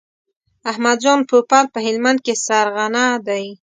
احمد جان پوپل په هلمند کې سرغنه دی.